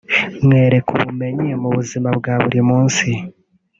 Mwereke ubumenyi mu buzima bwa buri munsi